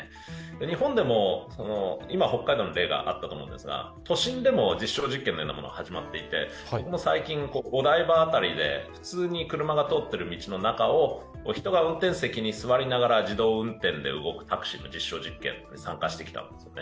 日本でも今北海道の例があったと思うんですが、都心でも実証試験のようなものは始まっていて、最近、お台場辺りで普通に車が通っている道の中を人が運転席に座りながら自動運転で動くタクシーの実証実験に参加してきたんですよね。